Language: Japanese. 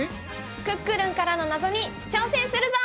クックルンからのナゾに挑戦するぞ！